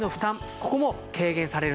ここも軽減されるんです。